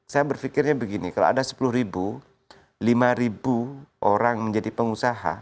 saya berpikirnya begini kalau ada sepuluh lima orang menjadi pengusaha